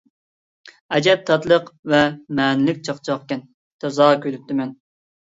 ئەجەب تاتلىق ۋە مەنىلىك چاقچاقكەن! تازا كۈلۈپتىمەن.